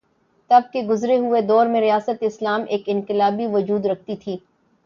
تب کے گزرے ہوئے دور میں ریاست اسلام ایک انقلابی وجود رکھتی تھی۔